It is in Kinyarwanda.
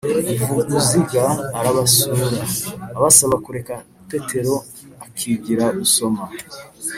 Vuguziga arabasura, abasaba kureka Tetero akigira gusoma.